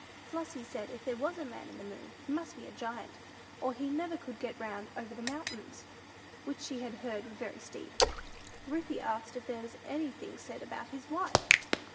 Flossy said if there was a man in the moon, he must be a giant, or he never could get round over the mountains, which she had heard were very steep. Ruthie asked if there was anything said about his wife!